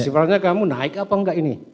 sifatnya kamu naik apa enggak ini